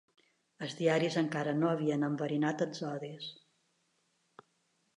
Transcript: Els diaris encara no havien enverinat els odis